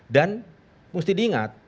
dan mesti diingat